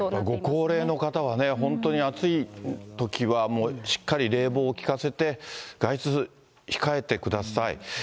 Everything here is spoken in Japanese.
ご高齢の方はね、本当に暑いときは、もうしっかり冷房を効かせて、外出控えてください。